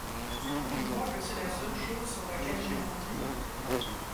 Tu crois que c’est la seule chose sur laquelle j’ai menti ?